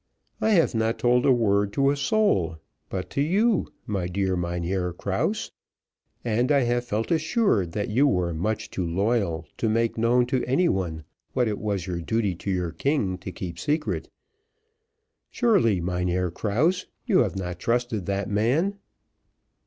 I have not told a word to a soul, but to you, my dear Mynheer Krause, and I have felt assured that you were much too loyal to make known to anyone, what it was your duty to your king to keep secret; surely, Mynheer Krause, you have not trusted that man?"